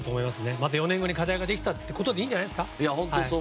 また４年後に向けてということでいいんじゃないですか。